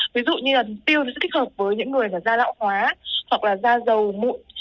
ví dụ như là tiêu nó sẽ thích hợp với những người mà da lão hóa hoặc là da dầu mụn